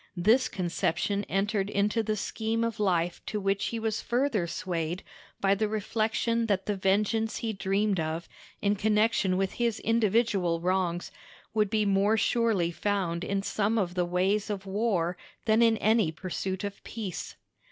This conception entered into the scheme of life to which he was further swayed by the reflection that the vengeance he dreamed of, in connection with his individual wrongs, would be more surely found in some of the ways of war than in any pursuit of peace.